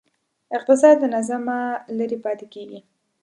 اقتصاد له نظمه لرې پاتې کېږي.